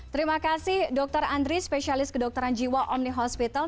terima kasih dokter andri spesialis kedokteran jiwa omni hospital